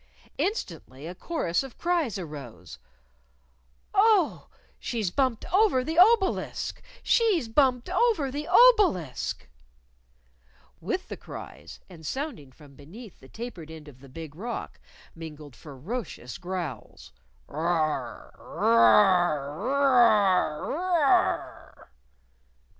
Instantly a chorus of cries arose: "Oh, she's bumped over the obelisk! She's bumped over the obelisk!" With the cries, and sounding from beneath the tapered end of the Big Rock, mingled ferocious growls "_Rar! Rar! Rar! Rar!